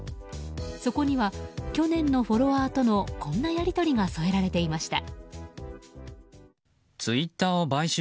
そこには去年のフォロワーとのこんなやり取りが添えられていました。